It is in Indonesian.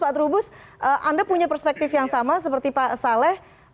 pak trubus anda punya perspektif yang sama seperti pak saleh